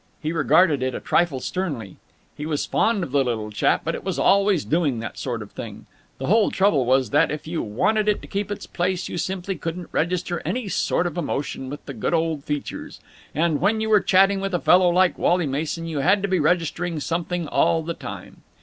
He regarded it a trifle sternly. He was fond of the little chap, but it was always doing that sort of thing. The whole trouble was that, if you wanted to keep it in its place, you simply couldn't register any sort of emotion with the good old features: and, when you were chatting with a fellow like Wally Mason, you had to be registering something all the time.